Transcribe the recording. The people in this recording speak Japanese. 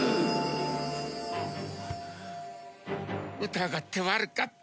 疑って悪かった。